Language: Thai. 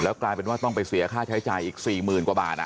กลายเป็นว่าต้องไปเสียค่าใช้จ่ายอีก๔๐๐๐กว่าบาท